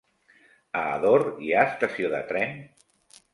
A Ador hi ha estació de tren?